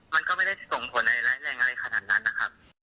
มันก็ไม่ได้ส่งผลอะไรร้ายแรงอะไรขนาดนั้นนะครับ